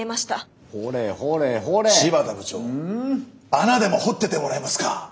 穴でも掘っててもらえますか！